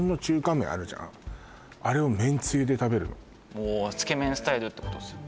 私マジでさおおつけ麺スタイルってことですよね